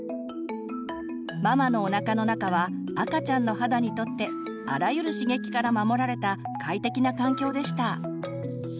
ママのおなかの中は赤ちゃんの肌にとってあらゆる刺激から守られた快適な環境でした。